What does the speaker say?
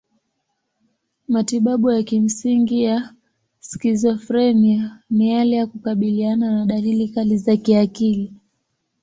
Matibabu ya kimsingi ya skizofrenia ni yale ya kukabiliana na dalili kali za kiakili.